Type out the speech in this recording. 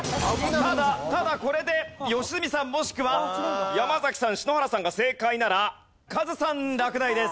ただただこれで良純さんもしくは山崎さん篠原さんが正解ならカズさん落第です。